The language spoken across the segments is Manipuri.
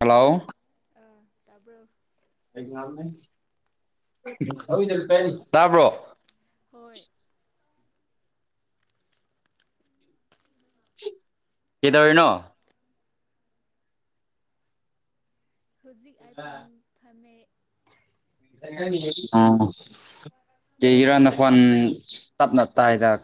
ꯍꯜꯂꯣ ꯑꯥ ꯇꯥꯕ꯭ꯔꯣ ꯑꯦꯛꯖꯥꯝꯅꯦ ꯇꯥꯕ꯭ꯔꯣ ꯍꯣꯏ ꯀꯩꯗꯧꯔꯤꯅꯣ ꯍꯧꯖꯤꯛ ꯑ ꯊꯝꯃꯦ ꯑꯥ ꯀꯦꯒꯤꯔ ꯅꯪꯗꯤ ꯅꯈꯣꯟ ꯇꯞꯅ ꯇ ꯍꯗꯥꯛ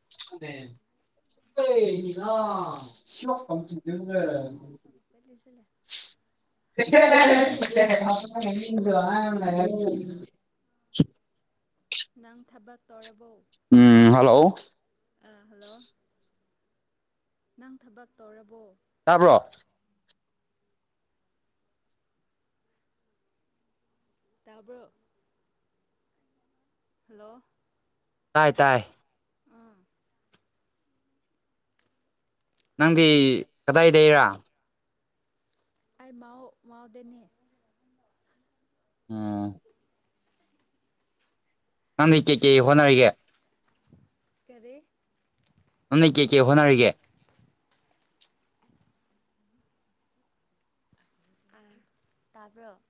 ꯀ ꯊ ꯎꯝ ꯊꯦ ꯋꯥ ꯅꯪ ꯊꯕꯛ ꯇꯧꯔꯕ ꯎꯝ ꯍꯜꯂꯣ ꯑꯥ ꯍꯜꯂꯣ ꯅꯪ ꯊꯕꯛ ꯇꯧꯔꯕꯣ ꯇꯥꯕ꯭ꯔꯣ ꯇꯕꯣ ꯍꯜꯂꯣ ꯇꯥꯏ ꯇꯥꯏ ꯑꯥ ꯅꯪꯗꯤ ꯀꯗꯥꯏꯗꯒꯤꯔꯥ ꯑꯩ ꯃꯎ ꯃꯎꯗꯅꯤ ꯑꯝ ꯅꯪ ꯂꯤ ꯀꯦ ꯀꯦ ꯍꯣꯅꯔꯒ ꯀꯔꯤ ꯅꯅꯩ ꯀꯦ ꯀꯦ ꯍꯣꯅꯔꯒ ꯇꯥꯔꯕ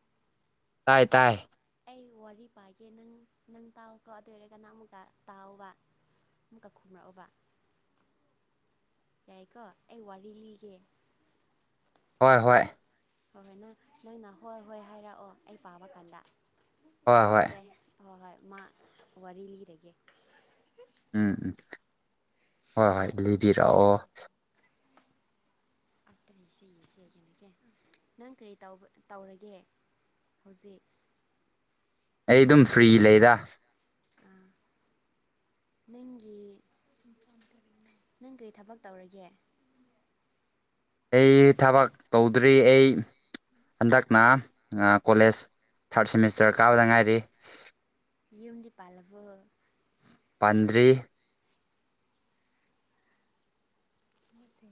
ꯇꯥꯏ ꯇꯥꯏ ꯑꯩ ꯋꯥꯔꯤ ꯄꯥꯏꯒꯦ ꯅꯪ ꯅꯪ ꯇꯥꯎꯀꯣ ꯑꯗꯨ ꯑꯣꯏꯔꯒ ꯀꯅꯥꯃꯨꯀ ꯇꯥꯎꯑꯣꯕ ꯑꯃꯨꯛꯀꯛꯈꯨꯝꯔꯛꯑꯕ ꯌꯥꯏꯀꯣ ꯑꯩ ꯋꯥꯔꯤ ꯂꯤꯒꯦ ꯍꯣꯏ ꯍꯣꯏ ꯍꯣꯏ ꯍꯣꯏ ꯅꯪ ꯅꯪꯅ ꯍꯣꯏ ꯍꯣꯏ ꯍꯥꯏꯔꯛꯑꯣ ꯑꯩ ꯄꯥꯕ ꯀꯥꯟꯗ ꯍꯣꯏ ꯍꯣꯏ ꯌꯥꯏ ꯍꯣꯏ ꯍꯣꯏ ꯃꯥ ꯋꯥꯔꯤ ꯂꯤꯔꯒꯦ ꯎꯝ ꯎꯝ ꯍꯣꯏ ꯍꯣꯏ ꯂꯤꯕꯤꯔꯛꯑꯣ ꯇꯔꯦ ꯏꯁꯩ ꯌꯦꯁꯦ ꯀꯩꯅꯒꯦ ꯅꯪ ꯀꯔꯤ ꯇꯧꯔꯒꯦ ꯍꯧꯖꯤꯛ ꯑꯩ ꯑꯗꯨꯝ ꯐ꯭ꯔꯤ ꯂꯩꯔ ꯑꯥ ꯅꯪꯒꯤ ꯅꯪ ꯀꯔꯤ ꯊꯕꯛ ꯇꯧꯔꯒꯦ ꯎꯝ ꯑꯩ ꯊꯕꯛ ꯇꯧꯗ꯭ꯔꯤ ꯑꯩ ꯍꯟꯗꯛꯅ ꯀꯣꯂꯦꯖ ꯊꯥꯔꯠ ꯁꯦꯃꯤꯁꯇꯔ ꯀꯥꯕꯗ ꯉꯥꯏꯔꯤ ꯌꯨꯝꯗꯤ ꯄꯥꯜꯂꯕꯨ ꯄꯥꯟꯗꯔꯤꯦ ꯌꯦꯁ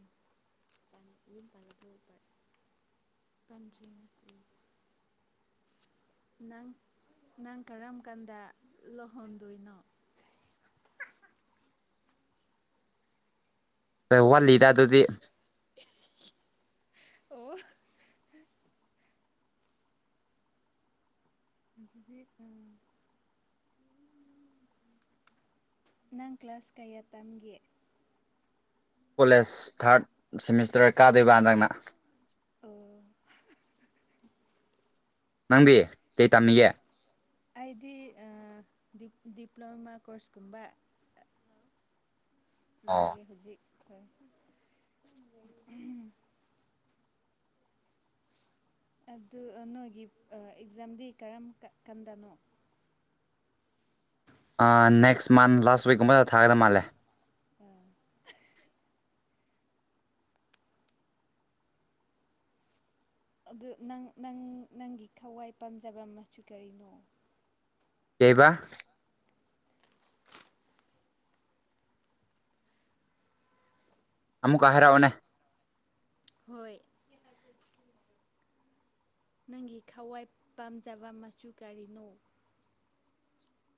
ꯄꯂꯕ ꯄꯟꯖ ꯅꯪ ꯅꯪ ꯀꯔꯝ ꯀꯥꯟꯗ ꯂꯨꯍꯣꯡꯗꯣꯏꯅꯣ [unintelligible] ꯋꯥꯠꯂꯤꯗ ꯑꯗꯨꯗꯤ ꯑꯣ ꯑꯗꯨꯗꯤ ꯑ ꯅꯪ ꯀ꯭ꯂꯥꯁ ꯀꯌꯥ ꯇꯝꯒꯦ ꯀꯣꯂꯦꯖ ꯊꯥꯔꯠ ꯁꯦꯃꯤꯁꯇꯔ ꯀꯥꯗꯣꯏꯕ ꯍꯟꯗꯛꯅ ꯑꯣ ꯅꯪꯗꯤ ꯀꯩ ꯇꯝꯃꯤꯌꯦ ꯍꯥꯏꯗꯤ ꯗꯤꯄ꯭ꯂꯣꯃꯥ ꯀꯣꯔꯁꯀꯨꯝꯕ ꯑꯣ ꯂꯣꯏꯦ ꯍꯧꯖꯤꯛ ꯈ ꯑꯗꯨ ꯅꯣꯏꯒꯤ ꯑꯦꯛꯖꯥꯝꯗꯤ ꯀꯔꯝ ꯀꯟꯗꯅꯣ ꯅꯦꯛꯁ ꯃꯟ ꯂꯥꯁ ꯋꯤꯛꯀꯨꯝꯕꯗ ꯊꯥꯒꯗ ꯃꯥꯜꯂꯦ ꯑꯗꯨ ꯅꯪ ꯅꯪ ꯅꯪꯒꯤ ꯊꯋꯥꯏ ꯄꯥꯝꯖꯕ ꯃꯆꯨ ꯀꯔꯤꯅꯣ ꯀꯩꯕꯥ ꯑꯃꯨꯀ ꯑ ꯍꯔꯥꯎꯅꯅꯦ ꯍꯣꯏ ꯅꯪꯒꯤ ꯈꯋꯥꯏ ꯄꯥꯝꯖꯕ ꯃꯆꯨ ꯀꯔꯤꯅꯣ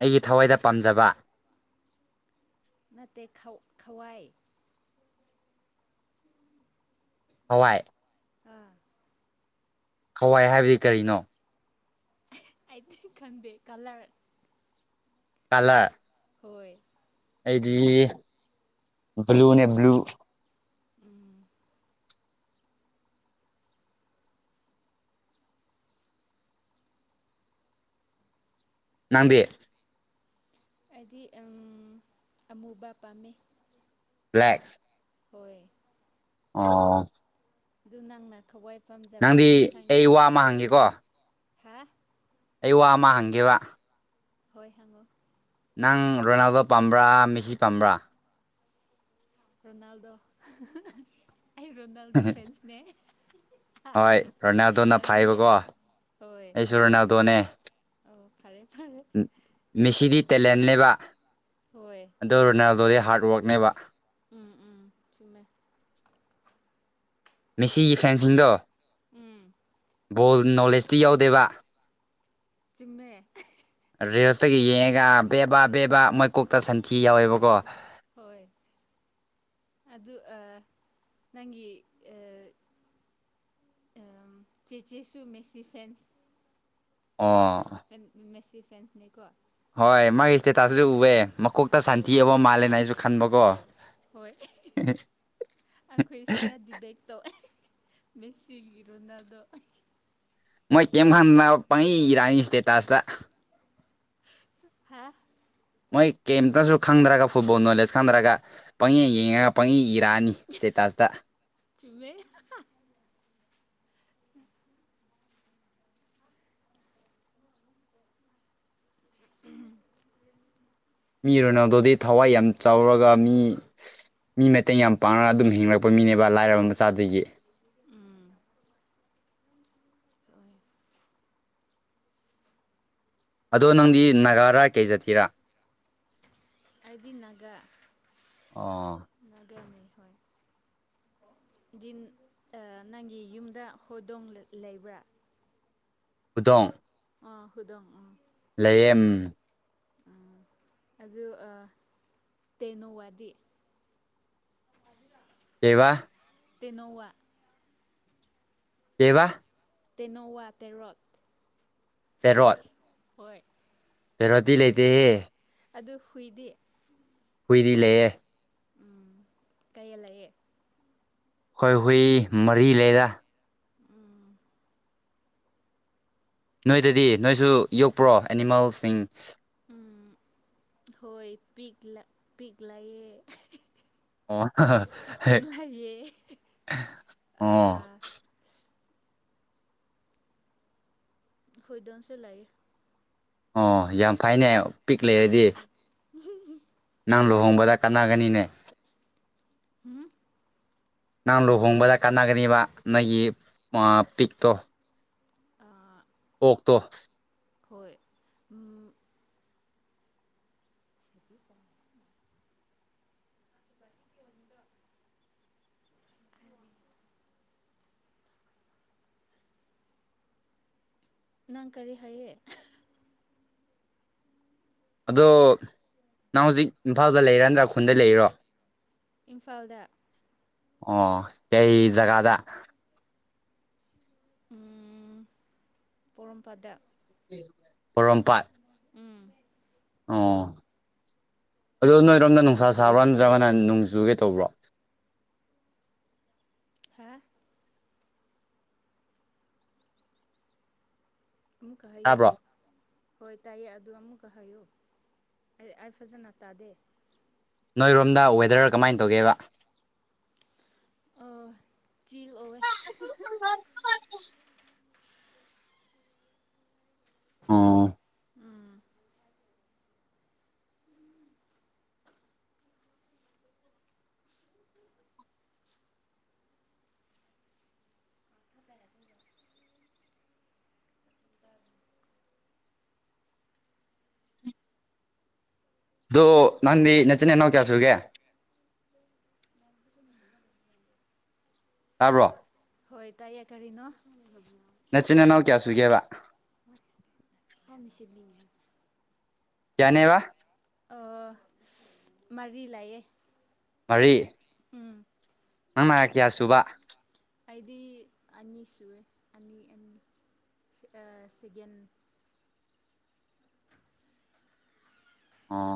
ꯑꯩꯒꯤ ꯊꯋꯥꯏꯗ ꯄꯥꯝꯖꯕ ꯅꯠꯇꯦ ꯈꯋꯥꯏ ꯍꯋꯥꯏ ꯑꯥ ꯍꯋꯥꯏ ꯍꯥꯏꯕꯗꯤ ꯀꯔꯤꯅꯣ ꯑ ꯇ ꯈꯗꯦ ꯀꯂꯔ ꯀꯂ ꯍꯣꯏ ꯑꯩꯗꯤ ꯕ꯭ꯂꯨꯅꯦ ꯕ꯭ꯂꯨ ꯎꯝ ꯅꯪꯗꯤ ꯑꯩꯗꯤ ꯎꯝ ꯑꯃꯨꯕ ꯄꯥꯝꯃꯦ ꯕ꯭ꯂꯦꯛ ꯍꯣꯏ ꯑꯣ ꯑꯗꯨ ꯅꯪꯅ ꯈꯧꯋꯥꯏ ꯅꯪꯗꯤ ꯑꯩ ꯋꯥ ꯑꯃ ꯍꯪꯒꯦꯀꯣ ꯍꯥ ꯑꯩ ꯋꯥ ꯑꯃ ꯍꯪꯒꯦꯕ ꯍꯣꯏ ꯍꯪꯉꯣ ꯅꯪ ꯔꯣꯅꯥꯜꯗꯣ ꯄꯥꯝꯕ꯭ꯔꯥ ꯃꯤꯁꯤ ꯄꯥꯝꯕ꯭ꯔꯥ ꯔꯣꯅꯥꯜꯗꯣ ꯑꯩ ꯔꯣꯅꯥꯜꯗꯣ ꯐ꯭ꯔꯦꯟꯁꯅꯦ ꯍꯣꯏ ꯔꯣꯅꯥꯜꯗꯣꯅ ꯐꯥꯏꯕꯀꯣ ꯍꯣꯏ ꯑꯩꯁꯨ ꯔꯣꯅꯥꯜꯗꯣꯅꯦ ꯑꯧ ꯐꯔꯦ ꯐꯔꯦ ꯃꯦꯁꯤꯗꯤ ꯇꯦꯂꯦꯟꯅꯦꯕ ꯍꯣꯏ ꯑꯗꯨ ꯔꯣꯅꯥꯜꯗꯣꯗꯤ ꯍꯥꯔꯗ ꯋꯥꯔꯛꯅꯦꯕ ꯎꯝ ꯎꯝ ꯆꯨꯝꯃꯦ ꯃꯦꯁꯤꯒꯤ ꯐꯦꯟꯁꯤꯡꯗꯣ ꯎꯝ ꯕꯣꯜ ꯅꯣꯂꯦꯖꯇꯤ ꯌꯥꯎꯗꯦꯕ ꯆꯨꯝꯃꯦ ꯔꯤꯜꯁꯇꯒꯤ ꯌꯦꯡꯉꯒ ꯕꯦꯕꯥ ꯕꯦ ꯕꯥ ꯃꯣꯏ ꯀꯣꯛꯇ ꯁꯟꯊꯤ ꯌꯥꯎꯋꯦꯕꯀꯣ ꯍꯣꯏ ꯑꯗꯨ ꯑꯥ ꯅꯪꯒꯤ ꯑꯥ ꯆꯦ ꯆꯦꯁꯨ ꯃꯦꯁꯤ ꯐꯦꯟꯁ ꯀꯣ ꯑꯣ ꯃꯦꯁꯤ ꯐꯦꯟꯁꯅꯤꯀꯣ ꯍꯣꯏ ꯃꯥꯒꯤ ꯁ꯭ꯇꯦꯇꯁꯁꯨ ꯎꯑꯦ ꯃꯈꯀꯣꯛꯇ ꯁꯟꯊꯤ ꯍꯣꯏ ꯌꯥꯎꯕ ꯃꯥꯜꯂꯦꯅ ꯑꯩꯁꯨ ꯈꯟꯕꯀꯣ ꯍꯣꯏ ꯍꯣꯏ ꯑꯩꯈꯣꯏ ꯁꯤꯗꯗꯤ ꯕꯦꯛꯇꯣ ꯃꯦꯁꯤꯒꯤ ꯔꯣꯅꯥꯜꯗꯣ ꯃꯣꯏ ꯀꯩꯝ [unintelligible] ꯄꯪꯏ ꯏꯔꯥꯅꯤ ꯁ꯭ꯇꯦꯇꯥꯁꯇ ꯍꯥ ꯃꯣꯏ ꯀꯩꯝꯇꯁꯨ ꯈꯪꯗ꯭ꯔꯒ ꯐꯨꯠꯕꯣꯜ ꯅꯣꯂꯦꯖ ꯈꯪꯗ꯭ꯔꯒ ꯄꯪꯌꯦ ꯌꯦꯡꯉꯒ ꯄꯪꯉꯌꯦ ꯏꯔꯛꯑꯅꯤ ꯁ꯭ꯇꯦꯇꯥꯁꯇ [unintelligible] ꯃꯤ ꯔꯣꯅꯥꯜꯗꯣꯗꯤ ꯊꯋꯥꯏ ꯌꯥꯝ ꯆꯥꯎꯔꯒ ꯃꯤ ꯃꯤ ꯃꯇꯦꯡ ꯌꯥꯝ ꯄꯥꯡꯔꯒ ꯑꯗꯨꯝ ꯍꯤꯡꯂꯛꯄ ꯃꯤ ꯃꯤꯅꯦꯕ ꯂꯥꯏꯔꯕ ꯃꯆꯥꯗꯒꯤ ꯎꯝ ꯍꯣꯏ ꯑꯗꯣ ꯅꯪꯗꯤ ꯅꯥꯒꯥꯔ ꯀꯩ ꯖꯥꯇꯤꯔꯥ ꯑꯩꯗꯤ ꯅꯒꯥ ꯑꯣ ꯅꯒꯥꯅꯤ ꯗꯤꯟ ꯅꯪꯒꯤ ꯌꯨꯝꯗ ꯍꯣꯗꯣꯡ ꯂꯩꯕ꯭ꯔꯥ ꯍꯧꯗꯣꯡ ꯑꯥ ꯍꯨꯗꯣꯡ ꯂꯩꯌꯦ ꯑꯗꯨ ꯑꯥ ꯇꯦꯅꯣꯋꯥꯗꯤ [inaudible] ꯀꯩꯕ ꯇꯦꯅꯧꯋꯥ ꯀꯩꯕ ꯇꯦꯅꯣꯋꯥ ꯄꯦꯔꯣꯠ ꯄꯦꯔꯣꯛ ꯍꯣꯏ ꯄꯦꯔꯣꯗꯤ ꯂꯩꯇꯦꯍꯦ ꯑꯗꯨ ꯍꯨꯏꯗꯤ ꯍꯨꯏꯗꯤ ꯂꯩꯌꯦ ꯎꯝ ꯀꯩꯌꯦ ꯂꯩꯑꯦ ꯍꯣꯏ ꯍꯨꯏ ꯃꯔꯤ ꯂꯩꯔ ꯎꯝ ꯅꯣꯏꯗꯗꯤ ꯅꯣꯏꯁꯨ ꯌꯣꯛꯄ꯭ꯔꯣ ꯑꯦꯅꯤꯃꯦꯜꯁꯤꯡ ꯎꯝ ꯍꯣꯏ ꯄꯤꯛ ꯄꯤꯛ ꯂꯥꯛꯑꯌꯦ ꯑꯣ ꯍ ꯑꯣ ꯍꯣꯏꯗꯣꯟꯁꯤ ꯂꯩ ꯑꯣ ꯌꯥꯝ ꯐꯩꯅꯦ ꯄꯤꯛ ꯂꯩꯔꯗꯤ ꯅꯪ ꯂꯨꯍꯣꯡꯕꯗ ꯀꯥꯟꯅꯒꯅꯤꯅꯦ ꯎꯝ ꯅꯪ ꯂꯨꯍꯣꯡꯕꯗ ꯀꯥꯟꯅꯒꯅꯦꯕ ꯅꯣꯏꯒꯤ ꯄꯤꯛꯇꯣ ꯑꯣꯛꯇꯣ ꯍꯣꯏ ꯎꯝ ꯀꯗꯤ ꯇꯔꯁꯤ [inaudible] ꯅꯪ ꯀꯔꯤ ꯍꯥꯏꯌꯦ ꯑꯗꯣ ꯅꯪ ꯍꯧꯖꯤꯛ ꯏꯝꯐꯥꯜꯗ ꯂꯩꯔꯗ ꯈꯨꯟꯗ ꯂꯩꯔꯣ ꯏꯝꯐꯥꯜꯗ ꯑꯣ ꯀꯩ ꯖꯒꯥꯗ ꯎ ꯄꯣꯔꯣꯝꯄꯥꯠꯇ ꯄꯔꯣꯝꯄꯥꯠ ꯎꯝ ꯑꯣ ꯑꯗꯣ ꯅꯣꯏꯔꯣꯝꯗ ꯅꯨꯡꯁꯥ ꯁꯥꯕ꯭ꯔꯥ ꯅꯠꯇ꯭ꯔꯒꯅ ꯅꯣꯡꯖꯨꯒꯦ ꯇꯧꯕ꯭ꯔꯣ ꯍꯥ ꯑꯃꯨꯛꯀꯥ ꯍꯥꯌꯣ ꯇꯥꯕ꯭ꯔꯣ ꯍꯣꯏ ꯇꯥꯏꯌꯦ ꯑꯗꯨ ꯑꯃꯨꯛꯀ ꯍꯥꯏꯌꯨ ꯑꯩ ꯑꯩ ꯐꯖꯅ ꯇꯥꯗꯦ ꯅꯣꯏꯔꯣꯝꯗ ꯋꯦꯗꯔ ꯀꯃꯥꯏꯅ ꯇꯧꯒꯦꯕ ꯑꯣ ꯆꯤꯜ ꯑꯣꯏ ꯑꯣ ꯑꯗꯣ ꯅꯪꯗꯤ ꯅꯦꯆꯤꯟ ꯅꯥꯅꯥꯎ ꯀꯌꯥꯁꯨꯒꯦ ꯇꯥꯕ꯭ꯔꯣ ꯍꯣꯏ ꯇꯥꯏꯑꯌꯦ ꯀꯔꯤꯅꯣ ꯅꯆꯤꯟ ꯏꯅꯥꯎ ꯀꯌꯥ ꯁꯨꯏꯒꯦꯕ [inaudible] ꯀꯌꯥꯅꯦ ꯋꯥ ꯃꯔꯤ ꯂꯩꯌꯦ ꯋꯥꯔꯤ ꯎꯝ ꯅꯪ ꯀꯌꯥ ꯁꯨꯕ ꯑꯩꯗꯤ ꯑꯅꯤ ꯁꯑꯦ ꯑꯅꯤ ꯑꯅꯤ ꯁꯤꯒꯦꯟ ꯑꯥ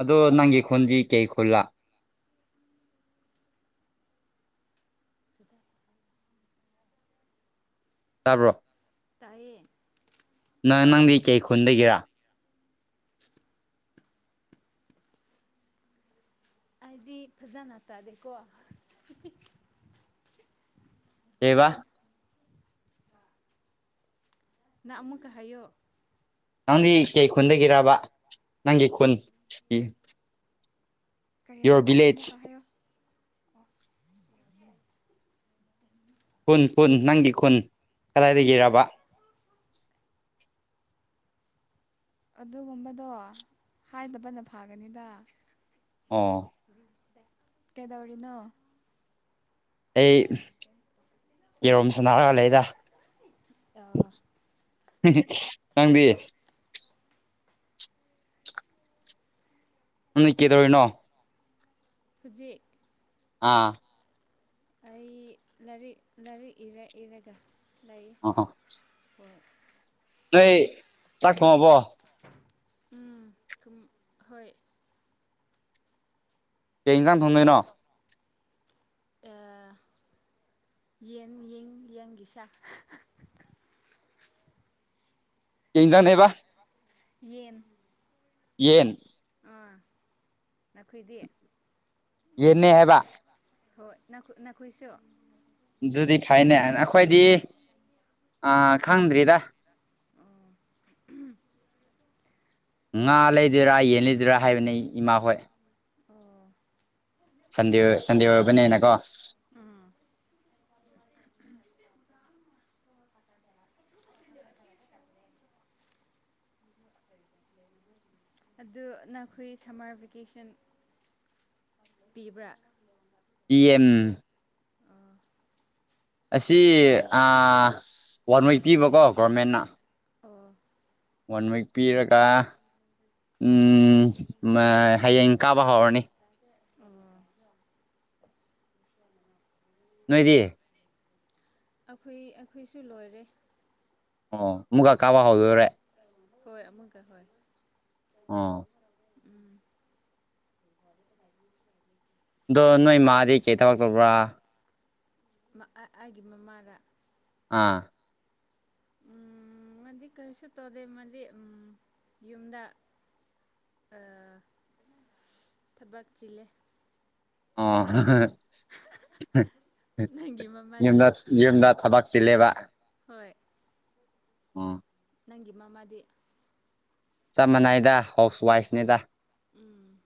ꯑꯗꯣ ꯅꯪꯒꯤ ꯈꯨꯣꯟꯗꯤ ꯀꯩ ꯈꯨꯜꯂꯥ ꯇꯥꯕ꯭ꯔꯣ ꯇꯏꯌꯦ ꯅ ꯅꯪꯗꯤ ꯀꯩ ꯈꯨꯟꯗꯒꯤꯔꯥ ꯍꯥꯏꯗꯤ ꯐꯖꯅ ꯇꯥꯗꯦꯀꯣ ꯀꯩꯕꯥ ꯅꯥ ꯑꯃꯨ ꯀ ꯍꯥꯏꯑꯣ ꯅꯪꯗꯤ ꯀꯩ ꯈꯨꯟꯗꯒꯤꯔꯕ ꯅꯪꯒꯤ ꯈꯨꯟ ꯀꯔꯤ ꯌꯣꯔ ꯍꯥꯏꯕ ꯑꯃꯨꯛꯀ ꯚꯤꯂꯦꯖ ꯍꯥꯏꯌꯣ ꯈꯨꯟ ꯄꯨꯟ ꯅꯪꯒꯤ ꯈꯨꯟ ꯀꯗꯥꯏ ꯌꯔꯕ ꯑꯗꯨꯒꯨꯝꯕꯗꯣ ꯍꯥꯏꯗꯕꯅ ꯐꯒꯅꯤꯗ ꯑꯥ ꯀꯩꯗꯧꯔꯤꯅꯣ ꯑꯩ ꯀꯦꯔꯣꯝ ꯁꯅꯥꯔꯒ ꯂꯩꯗ ꯑ ꯅꯪꯗꯤ ꯅ ꯀꯦꯗꯧꯔꯤꯅꯣ ꯍꯧ ꯎꯆꯦꯛ ꯑꯥ ꯑꯩ ꯂꯥꯏꯔꯤꯛ ꯂꯥꯏꯔꯤꯛ ꯏꯔ ꯏꯔꯒ ꯂꯩ ꯑꯣ ꯑꯣ ꯍ ꯅꯣꯏ ꯆꯥꯛ ꯊꯣꯉꯕꯣ ꯎꯝ ꯍꯣꯏ ꯀꯩ ꯏꯟꯖꯥꯡ ꯊꯣꯡꯗꯣꯏꯅꯣ ꯑ ꯌꯦꯟ ꯌꯦꯡ ꯌꯦꯡꯒꯤꯁꯥ ꯀꯖꯦꯕ ꯌꯦꯟ ꯌꯦꯟ ꯑꯥ ꯅꯈꯣꯏꯗꯤ ꯌꯦꯟꯅꯅꯦ ꯍꯕ ꯍꯣꯏꯈ ꯅꯈꯣꯏꯁꯨ ꯑꯗꯨꯗꯤ ꯐꯅꯦ ꯑꯩꯈꯣꯏꯗꯤ ꯑ ꯈꯪꯗ꯭ꯔꯤꯗ ꯉꯥ ꯂꯩꯗꯣꯏꯔꯥ ꯌꯦꯟꯜꯂꯤꯗꯣꯏꯔꯥ ꯍꯥꯏꯕꯅꯤ ꯏꯃꯥ ꯍꯣꯏ ꯑꯣ ꯁꯟꯗꯦ ꯁꯟꯗꯦ ꯑꯣꯏꯕꯅꯦꯅꯀꯣ ꯎꯝ [unintelligible] ꯎꯝ ꯑꯗꯨ ꯅꯈꯣꯏ ꯁꯝꯃꯔ ꯚꯦꯀꯦꯁꯟ ꯄꯤꯕ꯭ꯔꯥ ꯄꯦꯝ ꯑ ꯑꯁꯤ ꯋꯥꯟ ꯃꯛ ꯄꯤꯕꯀꯣ ꯒꯣꯔꯃꯦꯟꯅ ꯑꯣ ꯋꯥꯟ ꯋꯤꯛ ꯄꯤꯔꯒ ꯎꯝ ꯍꯌꯦꯡ ꯀꯥꯕ ꯍꯧꯔꯅꯤ ꯑꯣ ꯅꯣꯏꯗꯤꯌꯦ ꯑꯩꯈꯣꯏ ꯑꯩꯈꯣꯏꯁꯨ ꯂꯣꯏꯔꯦ ꯑꯣ ꯃꯨꯒꯥ ꯀꯥꯕ ꯄꯤ ꯍꯗ꯭ꯔꯦ ꯍꯣꯏ ꯑꯃꯨꯛꯀ ꯍꯣꯏ ꯑꯥ ꯎꯝ ꯑꯗꯣ ꯅꯣꯏ ꯃꯥꯗꯤ ꯀꯩ ꯊꯕꯛ ꯇꯧꯕ꯭ꯔꯥ ꯑꯩꯒꯤ ꯃꯃꯥꯗ ꯑꯥ ꯎꯝ ꯑꯃꯗꯤ ꯀꯔꯤꯁꯨ ꯇꯧꯗꯦ ꯑꯃꯗꯤꯗꯤ ꯎꯝ ꯌꯨꯝꯗ ꯊꯥꯕꯥꯛꯆꯂꯦ ꯑ ꯅꯪꯒꯤ ꯌꯦ ꯃꯃꯥꯗꯤ ꯌꯦ ꯊꯕ ꯁꯤꯂꯦꯕ ꯍ ꯑꯥ ꯅꯪꯒꯤ ꯃꯃꯥꯗꯤ ꯆꯞ ꯃꯥꯟꯅꯏꯗ ꯍꯥꯎꯁ ꯋꯥꯏꯐꯅꯤꯗ ꯎꯝ